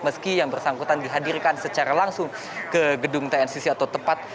meski yang bersangkutan dihadirkan secara langsung ke gedung tncc atau tepat